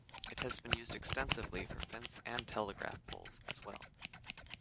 It has been used extensively for fence and telegraph poles as well.